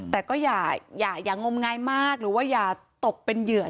แต่ก็อย่าอย่างงมงายมากหรือว่าอย่าตกเป็นเหยื่อ